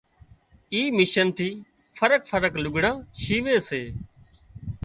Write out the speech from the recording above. اي مشين ٿي فرق فرق لگھڙان شيوي سي